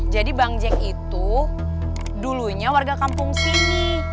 jadi bang jack itu dulunya warga kampung sini